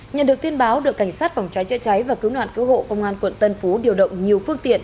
nhận được tin báo đội cảnh sát phòng cháy chữa cháy và cứu nạn cứu hộ công an quận tân phú điều động nhiều phương tiện